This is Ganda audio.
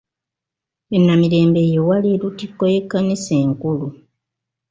E Namirembe ye wali lutikko y’Ekkanisa enkulu.